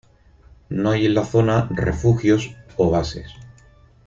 No hay en la zona refugios o bases.